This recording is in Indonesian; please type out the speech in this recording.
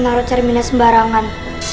naruh cerminnya sembarangan